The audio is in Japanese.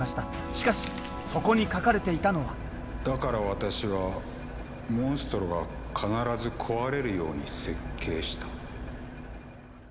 しかしそこに書かれていたのは「だから私はモンストロが必ず壊れるように設計した」。